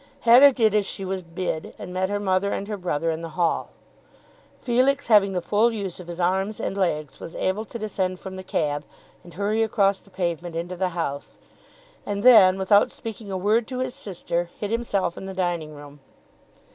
Hetta did as she was bid, and met her mother and her brother in the hall. Felix having the full use of his arms and legs was able to descend from the cab, and hurry across the pavement into the house, and then, without speaking a word to his sister, hid himself in the dining room.